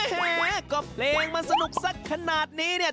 แหมก็เพลงมันสนุกสักขนาดนี้เนี่ย